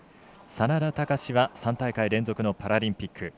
眞田卓は３大会連続のパラリンピック。